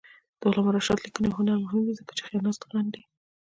د علامه رشاد لیکنی هنر مهم دی ځکه چې خیانت غندي.